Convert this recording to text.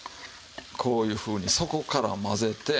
こういうふうに底から混ぜて。